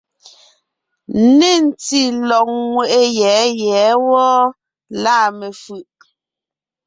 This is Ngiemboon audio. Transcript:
Nê ntí lɔ̀g ńŋeʼe yɛ̌ yɛ̌ wɔ́ɔ, lâ mefʉ̀ʼ.